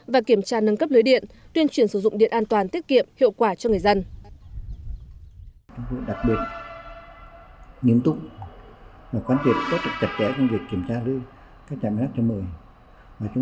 và kiểm tra nâng cấp lưới điện tuyên truyền sử dụng điện an toàn tiết kiệm hiệu quả cho người dân